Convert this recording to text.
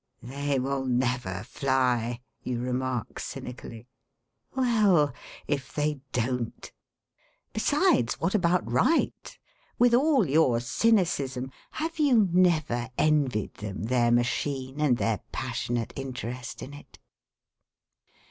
'They will never fly!' you remark, cynically. Well, if they don't? Besides, what about Wright? With all your cynicism, have you never envied them their machine and their passionate interest in it?